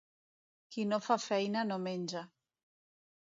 Qui no fa feina, no menja.